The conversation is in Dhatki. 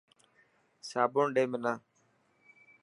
صابن ڏي منا.